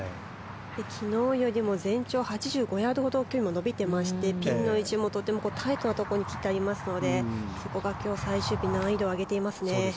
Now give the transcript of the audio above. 昨日よりも全長１８５ヤードほど伸びていましてピンの位置もとてもタイトなところに切ってありますのでそこが今日、最終日難易度を上げていますね。